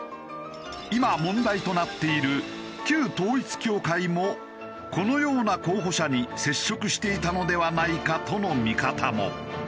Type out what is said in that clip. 今問題となっている旧統一教会もこのような候補者に接触していたのではないかとの見方も。